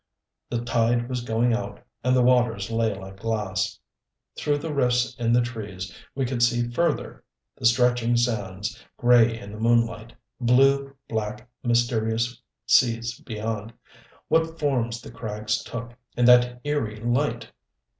The tide was going out and the waters lay like glass. Through the rifts in the trees we could see further the stretching sands, gray in the moonlight, the blue black mysterious seas beyond. What forms the crags took, in that eerie light!